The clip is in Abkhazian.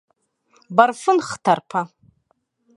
Барфын хҭарԥа.